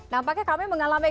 nampaknya kami mengalami